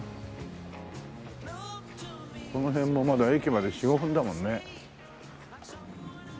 この辺もまだ駅まで４５分だもんね。